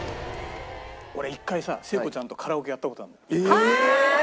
俺１回さ聖子ちゃんとカラオケやった事あるの。